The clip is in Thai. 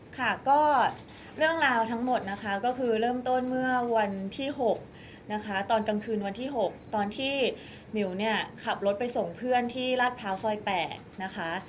ค่ะก็เรื่องราวทั้งหมดนะคะก็คือเริ่มต้นเมื่อวันที่๖นะคะตอนกลางคืนวันที่๖ตอนที่มิวเนี่ยขับรถไปส่งเพื่อนที่ราชพร้าวซอย๘นะคะ